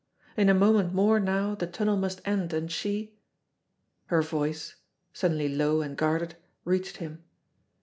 In a moment more now the tunnel must end, and she Her voice, suddenly low and guarded, reached him.